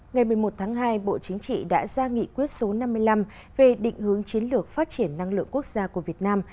ngày một mươi một tháng hai bộ chính trị đã ra nghị quyết số năm mươi năm về định hướng chiến lược phát triển năng lượng quốc gia của việt nam